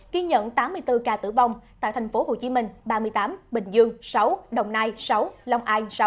ghi nhận tám mươi bốn ca tử vong tại thành phố hồ chí minh ba mươi tám bình dương sáu đồng nai sáu lòng ai sáu